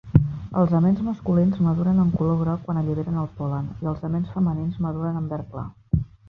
Els aments masculins maduren en color groc quan alliberen el pol·len i els aments femenins maduren en verd clar.